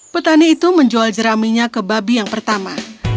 petani itu menjual jeraminya ke babi yang pertama